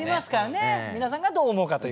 皆さんがどう思うかという。